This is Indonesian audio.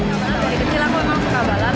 karena dari kecil aku memang suka balap